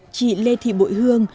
chị lê thị bội hương